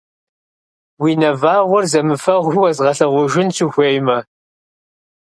Уи нэвагъуэр зэмыфэгъуу уэзгъэлъэгъужынщ, ухуеймэ!